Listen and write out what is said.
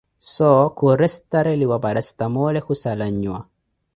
Soo khuressetareliwa parasstamole khussala an'nhwa